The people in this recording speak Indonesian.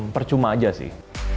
percuma aja sih